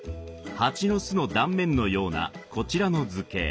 蜂の巣の断面のようなこちらの図形。